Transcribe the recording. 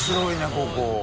ここ。